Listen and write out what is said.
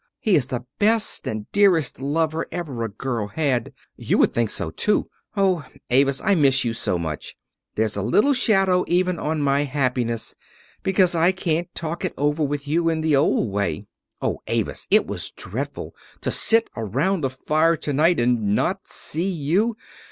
He is the best and dearest lover ever a girl had. You would think so too. Oh, Avis, I miss you so much! There's a little shadow even on my happiness because I can't talk it over with you in the old way. Oh, Avis, it was dreadful to sit around the fire tonight and not see you.